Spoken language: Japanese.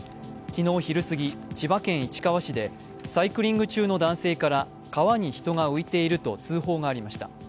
昨日昼過ぎ、千葉県市川市でサイクリング中の男性から川に人が浮いていると通報がありました。